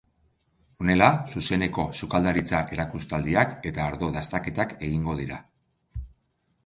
Honela, zuzeneko sukaldaritza erakustaldiak eta ardo dastaketak egingo dira.